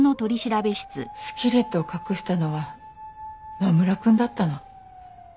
スキレットを隠したのは野村くんだったの。